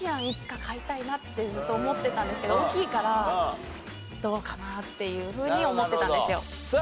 いつか飼いたいなってずっと思ってたんですけど大きいからどうかなっていうふうに思ってたんですよ。